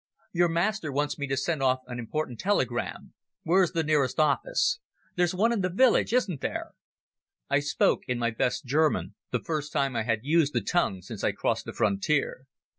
"Your master wants me to send off an important telegram. Where is the nearest office? There's one in the village, isn't there?" I spoke in my best German, the first time I had used the tongue since I crossed the frontier.